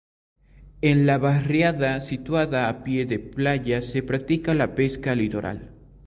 En la barriada situada a pie de playa se practica la pesca de litoral.